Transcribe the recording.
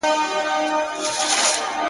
که حساب دی!